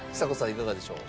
いかがでしょう？